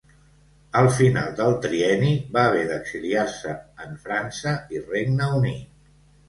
Al final del Trienni, va haver d'exiliar-se en França i Regne Unit.